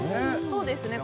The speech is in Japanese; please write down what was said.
そうですね